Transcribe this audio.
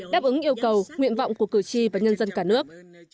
đáp ứng yêu cầu nguyện vọng của cử tri và nhân dân cả nước